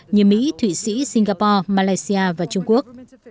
như mỹ thụy sĩ singapore malaysia và trung quốc